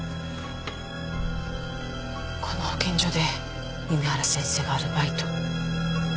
この保健所で弓原先生がアルバイト。